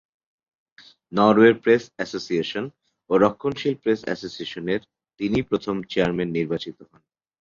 নরওয়ের press association ও রক্ষণশীল প্রেস এসোসিয়েশনের তিনিই প্রথম চেয়ারম্যান নির্বাচিত হন।